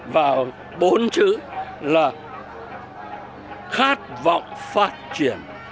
và bốn chữ là khát vọng phát triển